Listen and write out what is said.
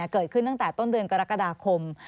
เกิดขึ้นตั้งแต่ต้นเดือนกรกฎาคม